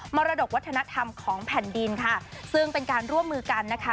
มรดกวัฒนธรรมของแผ่นดินค่ะซึ่งเป็นการร่วมมือกันนะคะ